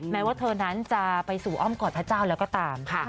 แม้ว่าเธอนั้นจะไปสู่อ้อมกอดพระเจ้าแล้วก็ตามค่ะ